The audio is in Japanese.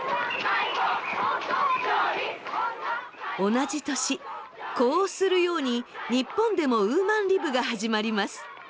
同じ年呼応するように日本でもウーマンリブが始まります。